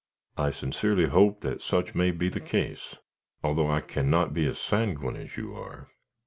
"I sincerely hope that such may be the case, although I cannot be as sanguine as you are.